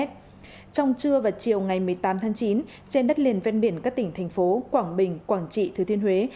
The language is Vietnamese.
trong trưa và chiều ngày một mươi tám tháng chín trên đất liền ven biển các tỉnh thành phố quảng bình quảng trị thứ thiên huế